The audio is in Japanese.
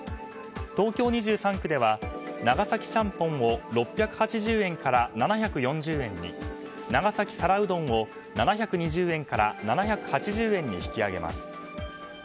東京２３区では長崎ちゃんぽんを６８０円から７４０円に長崎皿うどんを７２０円から７８０円に引き上げます。